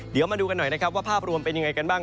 เดี๋ยวมาดูกันหน่อยนะครับว่าภาพรวมเป็นยังไงกันบ้าง